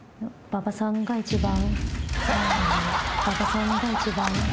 馬場さんが一番。